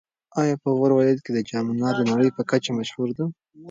ایا په غور ولایت کې د جام منار د نړۍ په کچه مشهور دی؟